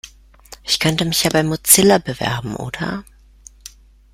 Ich könnte mich ja bei Mozilla bewerben, oder?